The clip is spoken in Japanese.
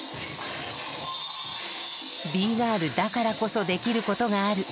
「Ｂ−ＧＩＲＬだからこそできることがある」。